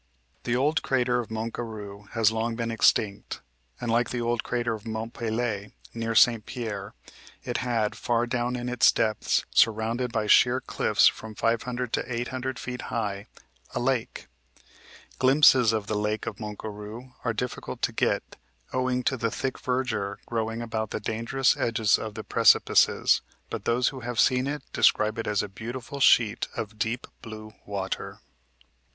The old crater of Mont Garou has long been extinct, and, like the old crater of Mont Pelee, near St. Pierre, it had far down in its depths, surrounded by sheer cliffs from 500 to 800 feet high, a lake. Glimpses of the lake of Mont Garou are difficult to get, owing to the thick verdure growing about the dangerous edges of the precipices, but those who have seen it describe it as a beautiful sheet of deep blue water.